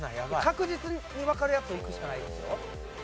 確実にわかるやつをいくしかないですよ。